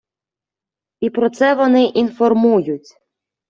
І про це вони інформують.